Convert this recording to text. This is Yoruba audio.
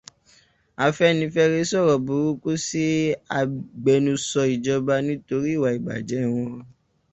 Afenifere sọ̀rọ̀ àbùkù sí agbẹnusọ ìjọba nítorí ìwà ìbàjẹ́ wọn